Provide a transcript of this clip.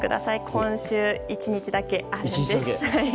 今週、１日だけあるんです。